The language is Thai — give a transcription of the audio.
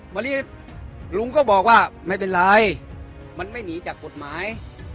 วันนี้ลุงก็บอกว่าไม่เป็นไรมันไม่หนีจากกฎหมาย